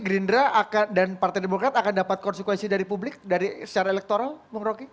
gerindra dan partai demokrat akan dapat konsekuensi dari publik secara elektoral bung roky